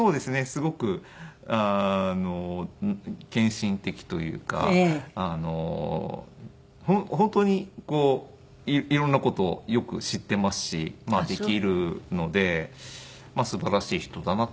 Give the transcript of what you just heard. すごく献身的というか本当に色んな事をよく知っていますしできるのですばらしい人だなと思っています。